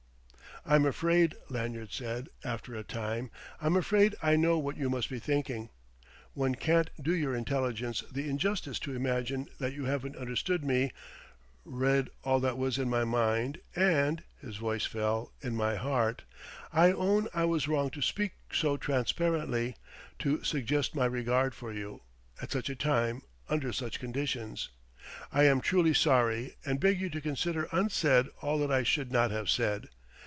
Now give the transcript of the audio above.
"I'm afraid," Lanyard said, after a time "I'm afraid I know what you must be thinking. One can't do your intelligence the injustice to imagine that you haven't understood me read all that was in my mind and" his voice fell "in my heart. I own I was wrong to speak so transparently, to suggest my regard for you, at such a time, under such conditions. I am truly sorry, and beg you to consider unsaid all that I should not have said....